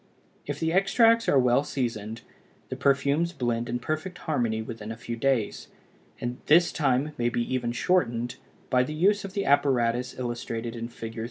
If the extracts are well seasoned, the perfumes blend in perfect harmony within a few days, and this time may be even shortened by the use of the apparatus illustrated in Fig.